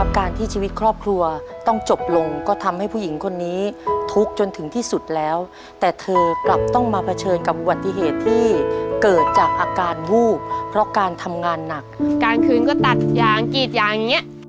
การที่ชีวิตครอบครัวต้องจบลงก็ทำให้ผู้หญิงคนนี้ทุกข์จนถึงที่สุดแล้วแต่เธอกลับต้องมาเผชิญกับอุบัติเหตุที่เกิดจากอาการวูบเพราะการทำงานหนักกลางคืนก็ตัดยางกรีดยางอย่างนี้